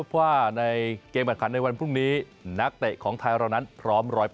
เพราะว่าในเกมขันในวันพรุ่งนี้นักเตะของไทยร้อนันทร์พร้อม๑๐๐